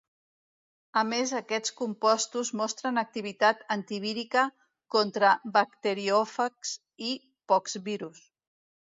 A més aquests compostos mostren activitat antivírica contra bacteriòfags i poxvirus.